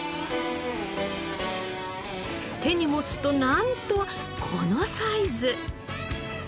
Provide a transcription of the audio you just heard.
手に持つとなんとこのサイズ。